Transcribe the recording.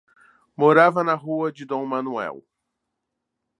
Morava na rua de D. Manoel.